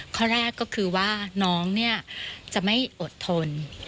ข้อแรกก็คือว่าน้องเนี่ยจะไม่อดทน